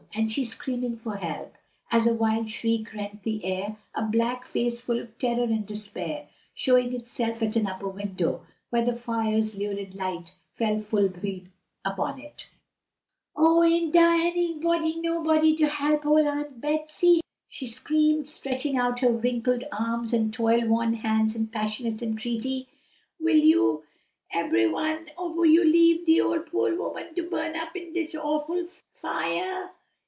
and she's screaming for help!" as a wild shriek rent the air, a black face full of terror and despair showing itself at an upper window, where the fire's lurid light fell full upon it. "Oh, ain't dar nobody to help ole Aunt Betsy?" she screamed, stretching out her wrinkled arms and toil worn hands in passionate entreaty; "will you ebery one ob you leave de po' ole woman to burn up in dis awful fiah?